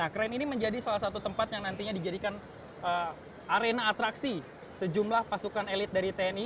kren ini menjadi salah satu tempat yang nantinya dijadikan arena atraksi sejumlah pasukan elit dari tni